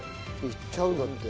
いっちゃうんだって。